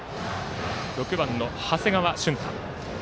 ６番の長谷川駿太。